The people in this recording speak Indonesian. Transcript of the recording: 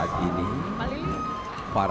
kekuatan gondong bumper